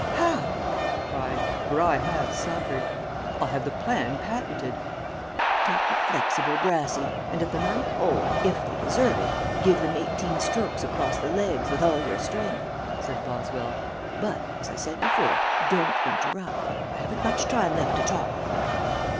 "How?" I cried, for I have suffered. "I'll have the plan patented." "Take a flexible brassey, and at the ninth hole, if they deserve it, give them eighteen strokes across the legs with all your strength," said Boswell. "But, as I said before, don't interrupt. I haven't much time left to talk with you."